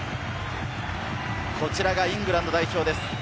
こちらがイングランド代表です。